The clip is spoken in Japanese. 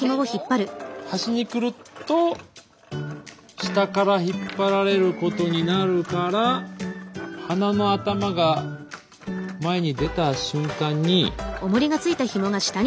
これが端に来ると下から引っ張られることになるから鼻の頭が前に出た瞬間に。